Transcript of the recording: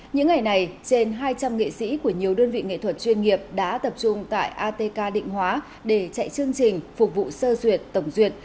những ngày này trên hai trăm linh nghệ sĩ của nhiều đơn vị nghệ thuật chuyên nghiệp đã tập trung tại atk định hóa để chạy chương trình phục vụ sơ duyệt tổng duyệt